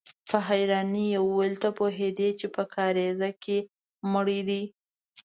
په حيرانۍ يې وويل: ته پوهېدې چې په کاريزه کې مړی دی؟